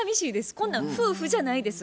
こんなん夫婦じゃないです。